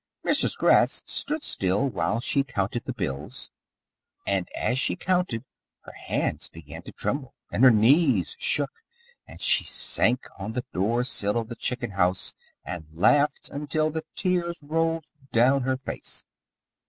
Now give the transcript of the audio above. Mrs. Gratz stood still while she counted the bills, and as she counted her hands began to tremble, and her knees shook, and she sank on the door sill of the chicken house and laughed until the tears rolled down her face.